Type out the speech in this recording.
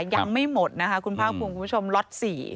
ยังไม่หมดนะคะคุณภาคภูมิคุณผู้ชมล็อต๔